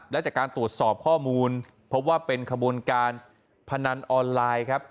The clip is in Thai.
และจากการตรวจสอบข้อมูลพบว่าเป็นขบวนการพนันออนไลน์ครับ